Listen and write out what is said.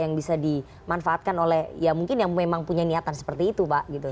yang bisa dimanfaatkan oleh ya mungkin yang memang punya niatan seperti itu pak gitu